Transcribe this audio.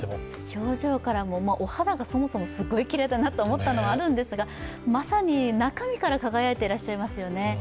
表情からも、お肌がそもそもすごいきれいだなと思ったのもあるんですがまさに中身から輝いてらっしゃいますよね。